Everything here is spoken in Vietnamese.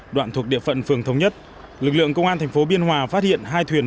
đoạn thuộc địa phận phường thống nhất lực lượng công an thành phố biên hòa phát hiện hai thuyền